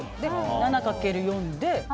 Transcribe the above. ７かける４で。